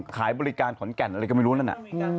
ขายบริการขนแก่นอะไรก็ไม่รู้นะ